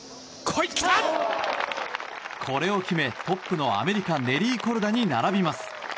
これを決め、トップのアメリカネリー・コルダに並びます。